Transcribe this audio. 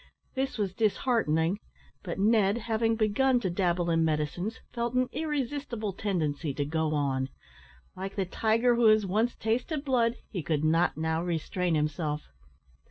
This was disheartening; but Ned, having begun to dabble in medicines, felt an irresistible tendency to go on. Like the tiger who has once tasted blood, he could not now restrain himself.